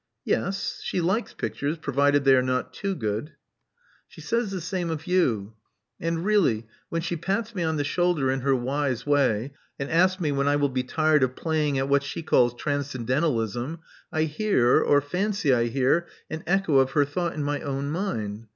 *'Yes. She likes pictures, provided they are not too good." She says the same of you. And really, when she pats me on the shoulder in her wise way, and asks me when I will be tired of pla)n[ng at what she calls transcendentalism, I hear, or fancy I hear, an echo of her thought in my own mind.